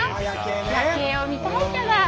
夜景を見たいじゃない。